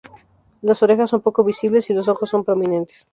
Las orejas son poco visibles, y los ojos son prominentes.